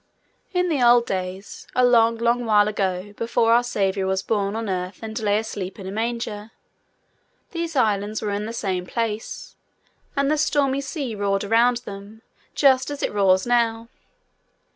In the old days, a long, long while ago, before Our Saviour was born on earth and lay asleep in a manger, these Islands were in the same place, and the stormy sea roared round them, just as it roars now.